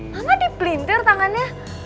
mama dipelintir tangannya